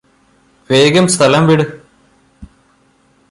വേഗം സ്ഥലം വിട്